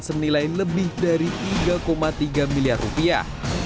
senilai lebih dari tiga tiga miliar rupiah